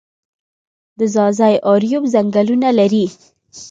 د ځاځي اریوب ځنګلونه لري